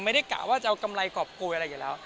ไม่ได้กล่าวว่าจะเอากำไรกรอบโกยอะไรอยู่แล้ว